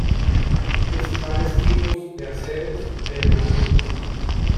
Principales tipos de aceros de herramientas